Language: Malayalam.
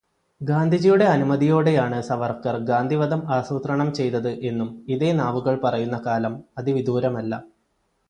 ഗാന്ധിജിയുടെ അനുമതിയോടെയാണ് സവർക്കർ ഗാന്ധിവധം ആസൂത്രണം ചെയ്തത് എന്നും ഇതേ നാവുകൾ പറയുന്ന കാലം അതിവിദൂരമല്ല.